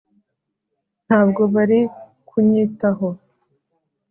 ntabwo bari kunyitaho